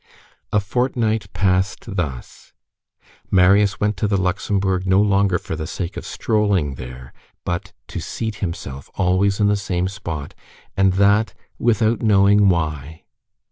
A fortnight passed thus. Marius went to the Luxembourg no longer for the sake of strolling there, but to seat himself always in the same spot, and that without knowing why.